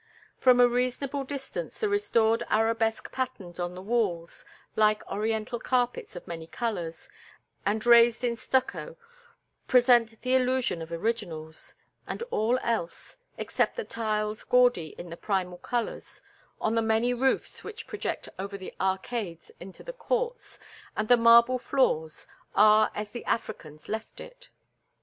From a reasonable distance the restored arabesque patterns on the walls, like Oriental carpets of many colors, and raised in stucco, present the illusion of originals; and all else, except the tiles gaudy in the primal colors, on the many roofs which project over the arcades into the courts, and the marble floors, are as the Africans left it.